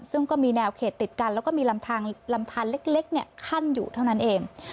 ซึ่งก็มีแนวเขตติดกันแล้วก็มีลำทานเล็กขั้นอยู่เท่านั้นเอง